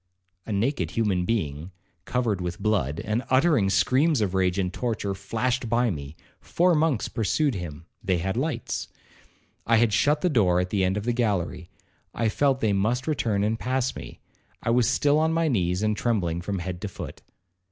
A naked human being, covered with blood, and uttering screams of rage and torture, flashed by me; four monks pursued him—they had lights. I had shut the door at the end of the gallery—I felt they must return and pass me—I was still on my knees, and trembling from head to foot.